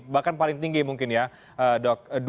bahkan paling tinggi mungkin ya dok